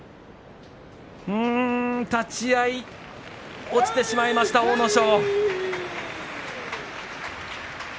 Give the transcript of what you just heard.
立ち合い落ちてしまいました阿武咲。